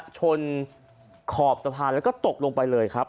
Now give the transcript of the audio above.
ชนขอบสะพานแล้วก็ตกลงไปเลยครับ